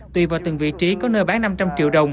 tùy vào từng vị trí có nơi bán năm trăm linh triệu đồng